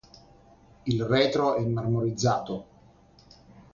Il retro è marmorizzato.